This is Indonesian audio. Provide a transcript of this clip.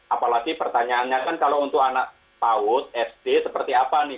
apalagi pertanyaannya kan kalau untuk anak paut sd seperti apa nih